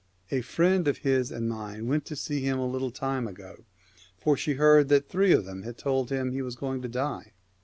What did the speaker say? A friend of his and mine went to see him a little time ago, for she heard that ' three of them ' had told him he was to die.